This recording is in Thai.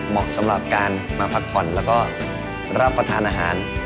เหมาะสำหรับการมาพักผ่อนแล้วก็รับประทานอาหาร